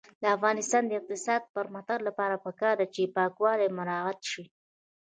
د افغانستان د اقتصادي پرمختګ لپاره پکار ده چې پاکوالی مراعات شي.